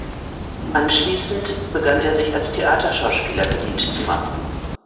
Anschließend begann er sich als Theaterschauspieler verdient zu machen.